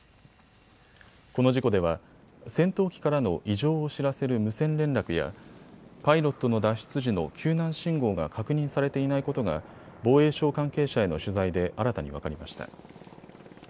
この事故では戦闘機からの異常を知らせる無線連絡やパイロットの脱出時の救難信号が確認されていないことが防衛省関係者への取材で新たに分かりました。